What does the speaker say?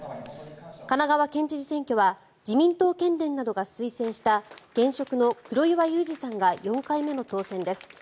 神奈川県知事選挙は自民党県連などが推薦した現職の黒岩祐治さんが４回目の当選です。